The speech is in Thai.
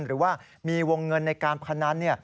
หรือว่ามีวงเงินในการพนัน